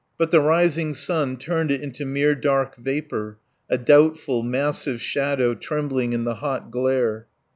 But the rising sun turned it into mere dark vapour, a doubtful, massive shadow trembling in the hot glare.